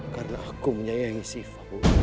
karena aku menyayangi siva